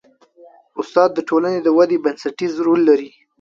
استاد د ټولنې د ودې بنسټیز رول لري.